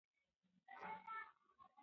آیا ناول د لوستلو مینه زیاتوي؟